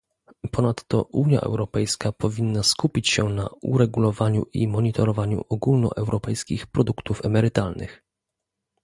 Ponadto Unia Europejska powinna skupić się na uregulowaniu i monitorowaniu ogólnoeuropejskich produktów emerytalnych